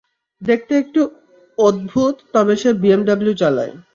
দেখতে একটু অদ্ভুত, তবে সে বিএমডাব্লু চালায়।